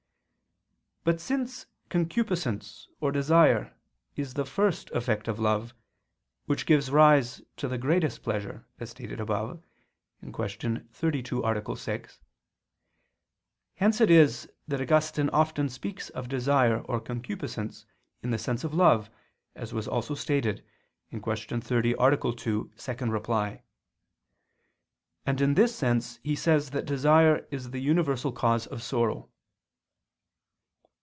But since concupiscence or desire is the first effect of love, which gives rise to the greatest pleasure, as stated above (Q. 32, A. 6); hence it is that Augustine often speaks of desire or concupiscence in the sense of love, as was also stated (Q. 30, A. 2, ad 2): and in this sense he says that desire is the universal cause of sorrow.